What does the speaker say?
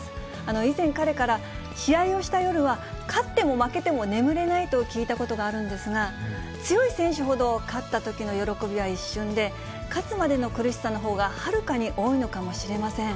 以前彼から、試合をした夜は、勝っても負けても眠れないと聞いたことがあるんですが、強い選手ほど、勝ったときの喜びは一瞬で、勝つまでの苦しさのほうがはるかに多いのかもしれません。